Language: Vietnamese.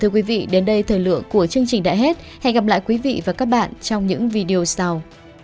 cảm ơn quý vị và các bạn trong những video sau